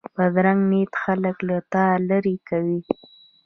بدرنګه نیت خلک له تا لرې کوي